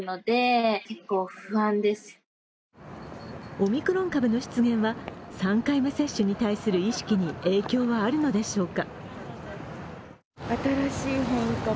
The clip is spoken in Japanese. オミクロン株の出現は３回目接種に対する意識に影響はあるのでしょうか？